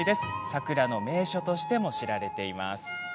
桜の名所としても知られています。